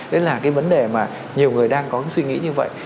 đấy là cái vấn đề mà nhiều người đang có cái suy nghĩ như vậy